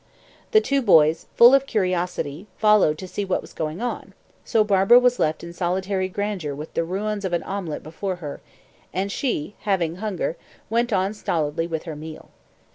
The two boys, full of curiosity, followed to see what was going on, so Barbara was left in solitary grandeur, with the ruins of an omelette before her, and she, "having hunger," went on stolidly with her meal.